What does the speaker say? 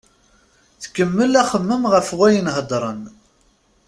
Tkemmel axemmem ɣef wayen hedren.